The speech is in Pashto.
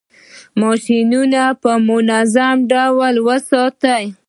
ماشینونه په منظم ډول وساتئ.